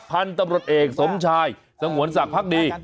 พันธุ์ตำรวจเอกสมชายสงวนศักดิ์พักดี